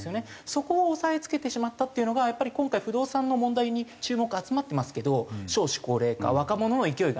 そこを抑えつけてしまったっていうのがやっぱり今回不動産の問題に注目集まってますけど少子高齢化若者の勢いがない。